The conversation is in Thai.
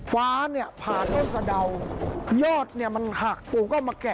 ฟ้าผ่านต้นสะเดา